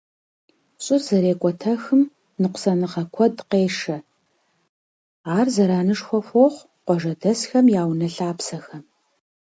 Щӏыр зэрекӏуэтэхым ныкъусаныгъэ куэд къешэ, ар зэранышхуэ хуохъу къуажэдэсхэм я унэ-лъапсэхэм.